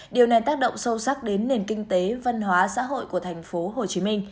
điều này tác động sâu sắc đến nền kinh tế văn hóa xã hội của tp hcm